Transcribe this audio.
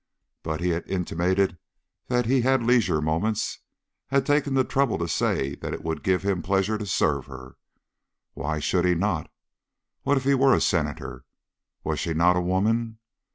But he had intimated that he had leisure moments, had taken the trouble to say that it would give him pleasure to serve her. Why should he not? What if he were a Senator? Was she not a Woman?